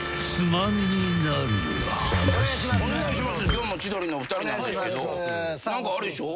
今日も千鳥のお二人なんですけど何かあれでしょ。